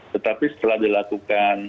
tetapi setelah dilakukan